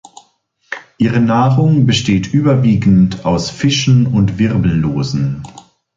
Ihre Nahrung besteht überwiegend aus Fischen und Wirbellosen.